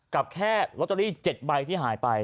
กับแค่ลอตเตอรี่๗ใบที่หายไป